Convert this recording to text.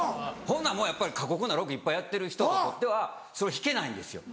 ほんならやっぱり過酷なロケいっぱいやってる人にとっては引けないんですよ。